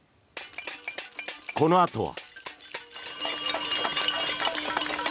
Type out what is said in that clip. このあとは。